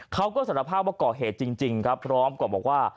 เขาก็สารภาพว่าก่อเหตุจริงครับพร้อมกับบอกว่า